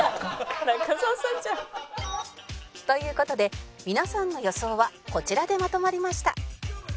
という事で皆さんの予想はこちらでまとまりました